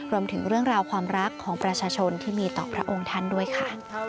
รวมถึงเรื่องราวความรักของประชาชนที่มีต่อพระองค์ท่านด้วยค่ะ